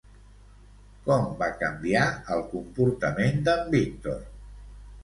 Com va canviar el comportament d'en Víctor?